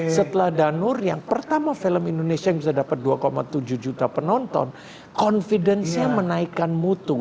setelah danur yang pertama film indonesia yang bisa dapat dua tujuh juta penonton confidence nya menaikkan mutu